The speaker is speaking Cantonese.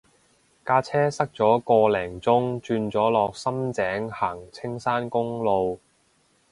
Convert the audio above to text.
架車塞咗個零鐘轉咗落深井行青山公路